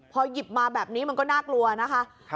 พอหยิบมาแบบนี้มันก็น่ากลัวนะคะ